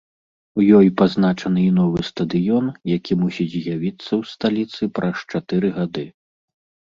У ёй пазначаны і новы стадыён, які мусіць з'явіцца ў сталіцы праз чатыры гады.